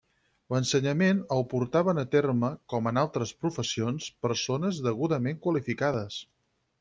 L'ensenyament el portaven a terme, com en altres professions, persones degudament qualificades.